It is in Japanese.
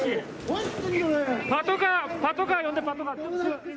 パトカー、パトカー呼んで、パトカー。